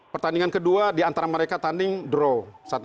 pertandingan kedua diantara mereka tanding draw satu satu